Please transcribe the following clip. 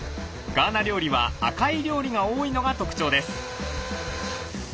ガーナ料理は赤い料理が多いのが特徴です。